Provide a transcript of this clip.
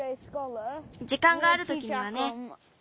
じかんがあるときにはね。